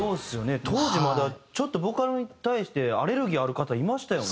当時まだちょっとボカロに対してアレルギーある方いましたよね。